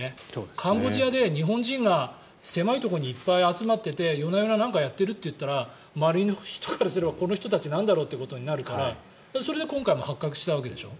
カンボジアで日本人が狭いところにいっぱい集まっていて夜な夜な何かやっているといったら周りの人からすればこの人たち、なんだろうということになるからそれで今回も発覚したわけでしょ。